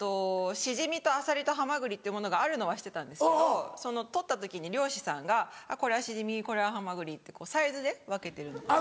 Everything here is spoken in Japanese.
シジミとアサリとハマグリってものがあるのは知ってたんですけど採った時に漁師さんがこれはシジミこれはハマグリってサイズで分けてるのかと。